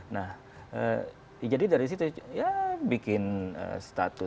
nah jadi dari situ ya bikin status